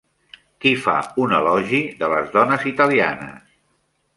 Qui fa un elogi de les dones italianes?